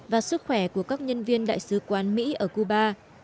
và sức khỏe của các nhân viên đại sứ quán mỹ ở cuba